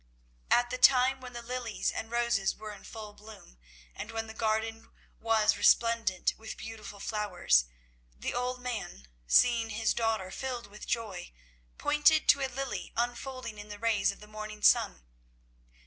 At the time when the lilies and roses were in full bloom and when the garden was resplendent with beautiful flowers, the old man, seeing his daughter filled with joy, pointed to a lily unfolding in the rays of the morning sun.